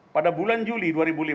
pada bulan juli dua ribu lima belas